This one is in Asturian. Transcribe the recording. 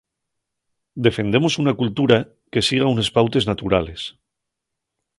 Defendemos una cultura que siga unes pautes naturales.